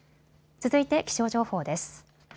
続いて気象情報です。